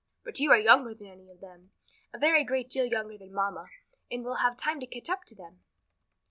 "But you are younger than any of them, a very great deal younger than mamma, and will have time to catch up to them."